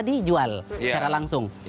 dijual secara langsung